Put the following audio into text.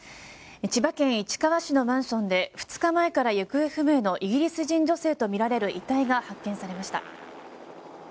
千葉県市川市のマンションで２日前から行方不明のイギリス人女性とみられる遺体が発見されました。